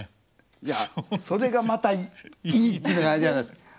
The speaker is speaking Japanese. いやそれがまたいいっていうのがあれじゃないですか。